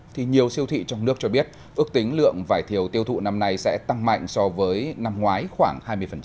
thì nhiều siêu thị trong nước cho biết ước tính lượng vải thiều tiêu thụ năm nay sẽ tăng mạnh so với năm ngoái khoảng hai mươi